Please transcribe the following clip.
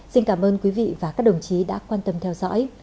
xin cảm ơn quý vị và các đồng chí đã quan tâm theo dõi